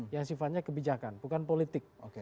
yang sifatnya kebijakan bukan politik